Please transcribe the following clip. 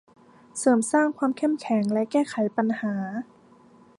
เสริมสร้างความเข้มแข็งและแก้ไขปัญหา